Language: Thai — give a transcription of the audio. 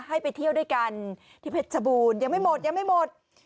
ให้ไปเที่ยวด้วยกันที่เพชรชบูรณ์ยังไม่หมดยังไม่หมด